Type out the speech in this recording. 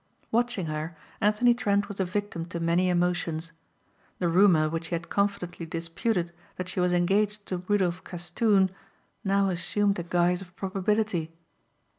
Watching her Anthony Trent was a victim to many emotions. The rumor which he had confidently disputed that she was engaged to Rudolph Castoon now assumed a guise of probability.